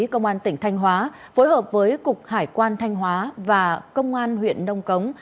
công an tỉnh thanh hóa phối hợp với cục hải quan thanh hóa và công an huyện nông cống